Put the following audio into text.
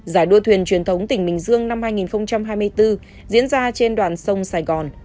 giải đua thuyền truyền thống tỉnh bình dương năm hai nghìn hai mươi bốn diễn ra trên đoàn sông sài gòn